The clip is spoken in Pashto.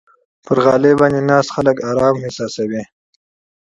په غالۍ باندې ناست خلک آرام احساسوي.